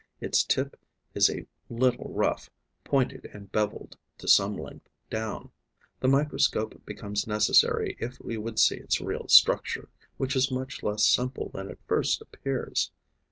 Its tip is a little rough, pointed and bevelled to some length down. The microscope becomes necessary if we would see its real structure, which is much less simple than it at first appears.